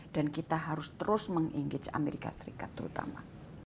dan kita harus terus meng engage amerika serikat terutama